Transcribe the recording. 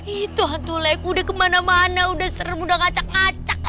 itu hantu lab udah kemana mana udah serem udah ngacak acak